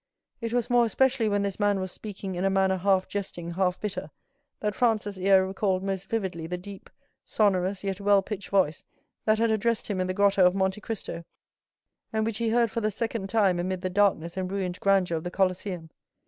It was more especially when this man was speaking in a manner half jesting, half bitter, that Franz's ear recalled most vividly the deep sonorous, yet well pitched voice that had addressed him in the grotto of Monte Cristo, and which he heard for the second time amid the darkness and ruined grandeur of the Colosseum.